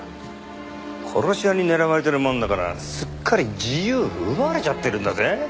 殺し屋に狙われてるもんだからすっかり自由奪われちゃってるんだぜ。